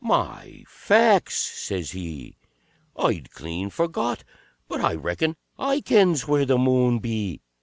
"My faicks!" says he, "I'd clean forgot, but I reckon I kens where the Moon be!"